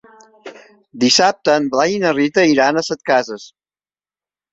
Dissabte en Blai i na Rita iran a Setcases.